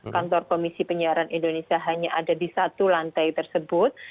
kantor komisi penyiaran indonesia hanya ada di satu lantai tersebut